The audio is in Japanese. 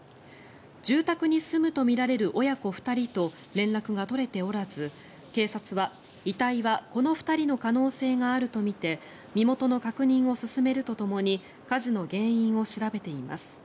住宅に住むとみられる親子２人と連絡が取れておらず警察は、遺体はこの２人の可能性があるとみて身元の確認を進めるとともに火事の原因を調べています。